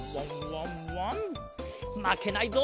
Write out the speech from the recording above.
まけないぞ。